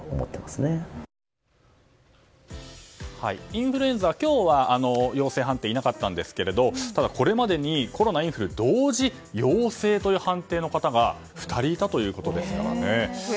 インフルエンザは今日は陽性判定はいなかったんですけれどこれまでにコロナ、インフル同時陽性という判定の方が２人いたということですからね。